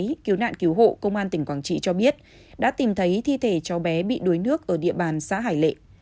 cứu nạn cứu hộ công an tỉnh quảng trị cho biết đã tìm thấy thi thể cháu bé bị đuối nước ở địa bàn xã hải lệ